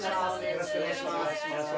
よろしくお願いします